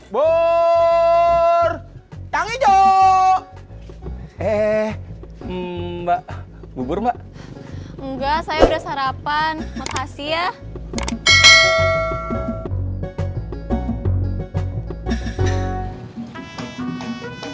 bor tangi jok eh mbak bubur enggak saya udah sarapan makasih ya